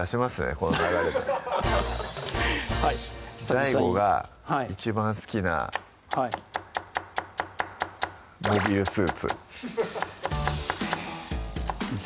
この流れではい久々にＤＡＩＧＯが一番好きなモビルスーツＺ